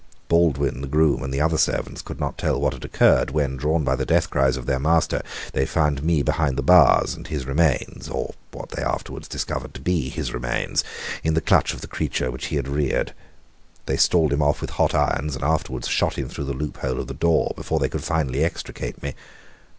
Baldwin, the groom, and the other servants could not tell what had occurred, when, drawn by the death cries of their master, they found me behind the bars, and his remains or what they afterwards discovered to be his remains in the clutch of the creature which he had reared. They stalled him off with hot irons, and afterwards shot him through the loophole of the door before they could finally extricate me.